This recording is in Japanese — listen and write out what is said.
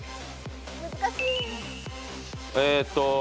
難しい。